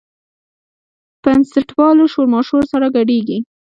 بنسټپالو شورماشور سره ګډېږي.